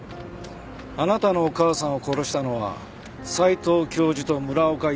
「あなたのお母さんを殺したのは斎藤教授と村岡院長だ」